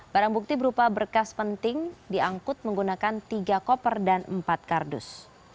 barang bukti berupa berkas penting diangkut menggunakan tiga koper dan empat kardus